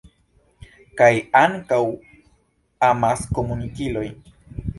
Kaj ankaŭ amaskomunikiloj.